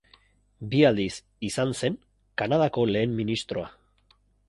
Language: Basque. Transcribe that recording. Bi aldiz izan zen Kanadako Lehen Ministroa.